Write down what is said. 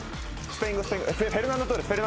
フェルナンド・トーレス。